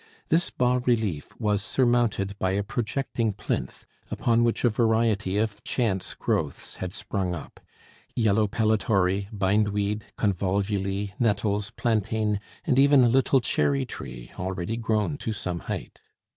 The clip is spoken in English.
This bas relief was surmounted by a projecting plinth, upon which a variety of chance growths had sprung up, yellow pellitory, bindweed, convolvuli, nettles, plantain, and even a little cherry tree, already grown to some height.